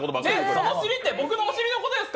その尻って僕のお尻のことですか？